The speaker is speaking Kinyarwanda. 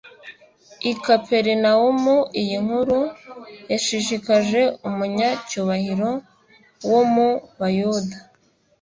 I Kaperinawumu iyi nkuru yashishikaje umunyacyubahiro wo mu Bayuda